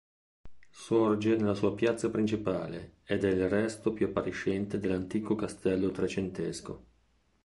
Sorge nella sua piazza principale ed è il resto più appariscente dell'antico castello trecentesco.